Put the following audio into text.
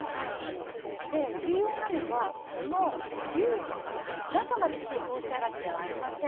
重要なのはこの牛のお肉中まで火を通したいわけではありません。